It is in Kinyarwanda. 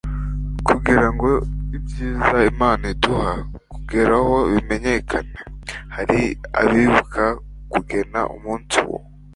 kugira ngo ibyiza imana iduha kugeraho bimenyekane, hari abibuka kugena umunsi wo